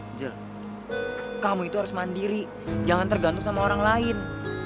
angger kamu itu harus mandiri jangan tergantung sama orang lain